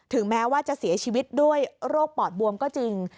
แม้ว่าจะเสียชีวิตด้วยโรคปอดบวมก็จริง